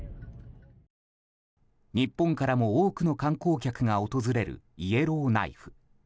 日本からも多くの観光客が訪れるイエローナイフ。